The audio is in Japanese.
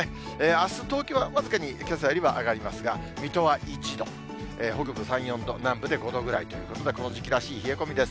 あす東京は僅かにけさよりは上がりますが、水戸は１度、北部３、４度、南部で５度ぐらいということで、この時期らしい冷え込みです。